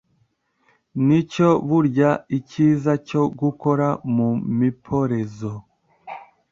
nicyo burya icyiza cyo gukora mu miporezo